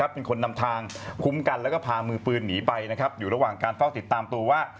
เป็นคนนำทางคุ้มกันแล้วก็พามือปืนหนีไปอยู่ระหว่างการเฝ้าติดตามตัวว่า